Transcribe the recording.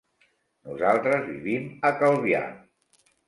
Nosaltres vivim a Calvià.